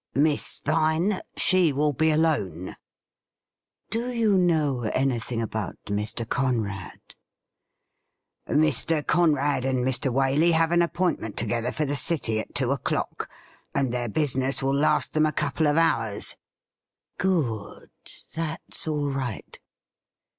' Miss Vine ? she will be alone.' ' Do you know anything about Mr. Conrad ?' 'Mr. Conrad and Mr. Waley have an appointment together for the City at two o'clock, and their business will last them a couple of hours.' ' Grood ! That's all right.'